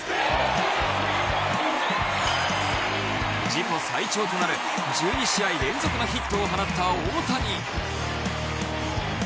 自己最長となる１２試合連続のヒットを放った大谷。